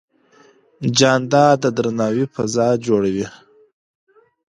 جانداد د درناوي فضا جوړوي.